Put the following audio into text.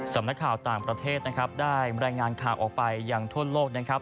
สำนักข่าวต่างประเทศนะครับได้รายงานข่าวออกไปยังทั่วโลกนะครับ